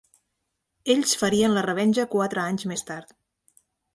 Ells farien la revenja quatre anys més tard.